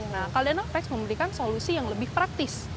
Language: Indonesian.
nah caldana flex memberikan solusi yang lebih praktis